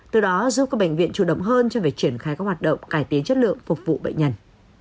từ đó giúp các bệnh viện chủ động hơn cho việc triển khai các hoạt động cải tiến chất lượng phục vụ bệnh nhân